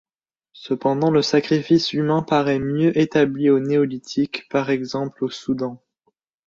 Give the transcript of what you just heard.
Cependant le sacrifice humain paraît mieux établi au néolithique, par exemple au Soudan.